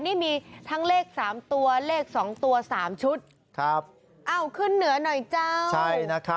นี่มีทั้งเลข๓ตัวเลข๒ตัว๓ชุดขึ้นเหนือหน่อยเจ้า